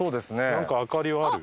なんか明かりはあるよ。